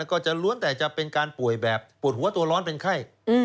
ก็จะล้วนแต่จะเป็นการป่วยแบบปวดหัวตัวร้อนเป็นไข้